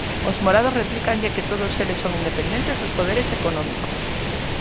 Os morados replícanlle que todos eles son independentes dos poderes económicos.